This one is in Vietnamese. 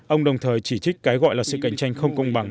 ông đồng thời chỉ trích cái gọi là sự cạnh tranh không công bằng